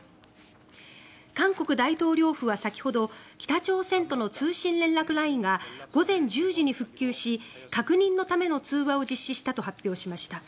韓国大統領府は先ほど北朝鮮との通信連絡ラインが午前１０時に復旧し確認のための通話を実施したと発表しました。